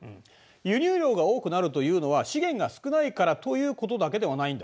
輸入量が多くなるというのは資源が少ないからということだけではないんだ。